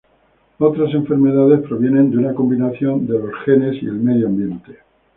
Otras enfermedades provienen de una combinación de los genes y el medio ambiente.